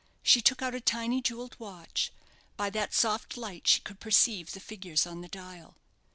She took out a tiny jewelled watch; by that soft light she could perceive the figures on the dial.